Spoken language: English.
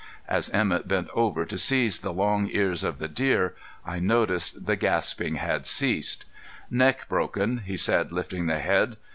As Emett bent over to seize the long ears of the deer, I noticed the gasping had ceased. "Neck broken," he said, lifting the head.